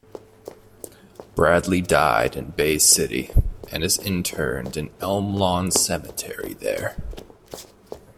Bradley died in Bay City and is interred in Elm Lawn Cemetery there.